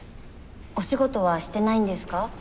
お仕事はしてないんですか？